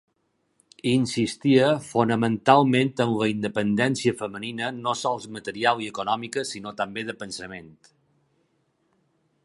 Insistia fonamentalment en la independència femenina no sols material i econòmica sinó també de pensament.